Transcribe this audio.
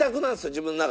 自分の中で。